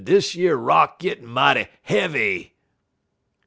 Dish yer rock gittin' mighty heavy!'